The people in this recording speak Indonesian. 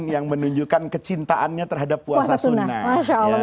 yang menunjukkan kecintaannya terhadap puasa sunnah